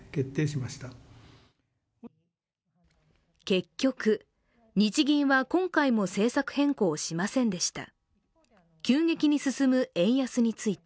結局、日銀は今回も政策変更をしませんでした。